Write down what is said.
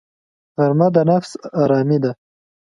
غرمه د نفس آرامي ده